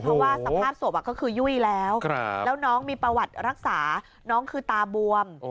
เพราะว่าสภาพศพก็คือยุ่ยแล้วแล้วน้องมีประวัติรักษาน้องคือตาบวม